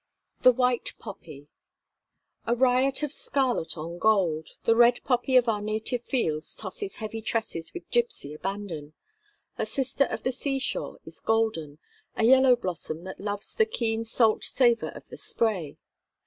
The White Poppy A riot of scarlet on gold, the red poppy of our native fields tosses heavy tresses with gipsy abandon; her sister of the sea shore is golden, a yellow blossom that loves the keen salt savour of the spray.